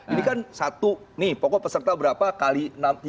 ini kan satu nih pokok peserta berapa kali